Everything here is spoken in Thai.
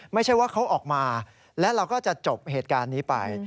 ไม่ใช่ว่าเขาออกมาและเราก็จะจบเหตุการณ์นี้ไป